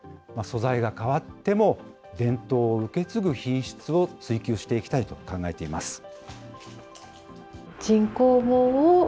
素材が変わっても伝統を受け継ぐ品質を追求していきたいと考えています。